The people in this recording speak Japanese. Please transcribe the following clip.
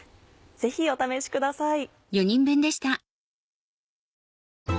ぜひお試しください。